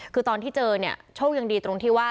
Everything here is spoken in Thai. คือตอนที่เจอเนี่ยโชคยังดีตรงที่ว่า